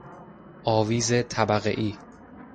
آویز طبقه ای